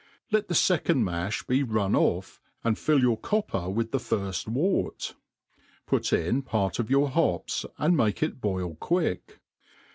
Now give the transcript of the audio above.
Lat the fecond ma(h be run oflT, and fill your copper with the firft wort; put in part of your hops, and make it borl quick.